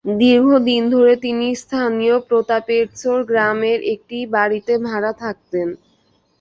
দীর্ঘ দিন ধরে তিনি স্থানীয় প্রতাপেরচর গ্রামের একটি বাড়িতে ভাড়া থাকতেন।